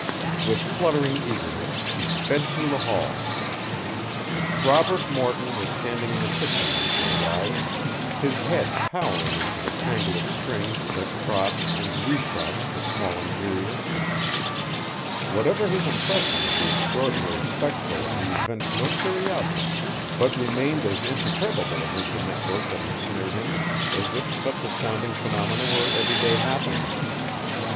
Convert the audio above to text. With fluttering eagerness she sped through the hall. Robert Morton was standing in the kitchen when she arrived, his head towering into the tangle of strings that crossed and recrossed the small interior. Whatever his impression of the extraordinary spectacle he evinced no curiosity but remained as imperturbable amid the network that ensnared him as if such astounding phenomena were everyday happenings.